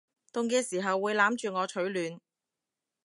凍嘅時候會攬住我取暖